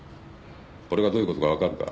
これがどういうことか分かるか？